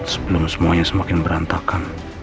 sebelum semuanya semakin berantakan